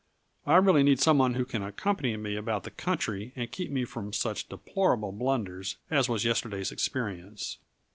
I really need some one who can accompany me about the country and keep me from such deplorable blunders as was yesterday's experience.